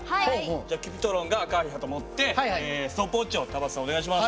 じゃあＣｕｐｉｔｒｏｎが赤い旗持ってストップウォッチを田畑さんお願いします。